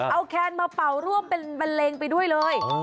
เอาแคนมาเป่าร่วมเป็นบันเลงไปด้วยเลย